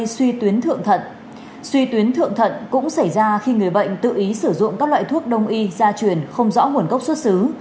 xuy tuyến thượng thận cũng xảy ra khi người bệnh tự ý sử dụng các loại thuốc đông y gia truyền không rõ nguồn gốc xuất xứ